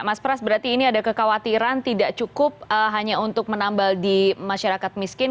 mas pras berarti ini ada kekhawatiran tidak cukup hanya untuk menambal di masyarakat miskin